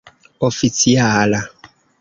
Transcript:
oficiala